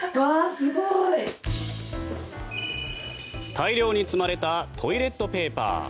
大量に積まれたトイレットペーパー。